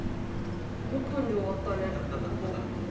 ６分で終わったね。